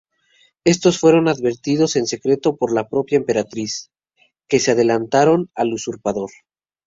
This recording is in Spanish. Estos fueron advertidos en secreto por la propia emperatriz, que se adelantaron al usurpador.